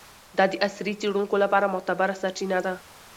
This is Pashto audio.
دا د عصري څیړونکو لپاره معتبره سرچینه ده.